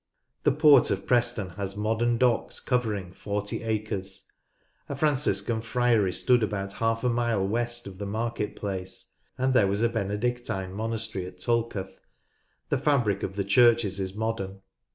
The Port of Preston has modern docks covering 40 acres. A Franciscan Friary stood about half a mile west of the market place, and there was a Benedictine Monastery at Tulketh ; the fabric of the churches is modern.